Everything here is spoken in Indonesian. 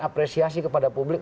apresiasi kepada publik